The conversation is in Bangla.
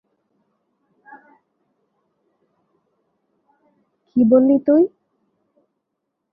কি বললি তুই?